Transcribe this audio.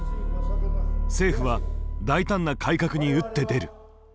政府は大胆な改革に打って出る。